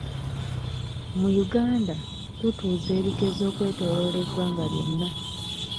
Mu Uganda, tutuuza ebigezo okwetooloola eggwanga lyonna.